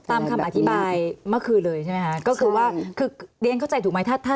ตามคำอธิบายเมื่อคือเลยใช่ไหมค่ะ